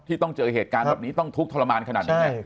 ต้องเจอเหตุการณ์แบบนี้ต้องทุกข์ทรมานขนาดนี้ไง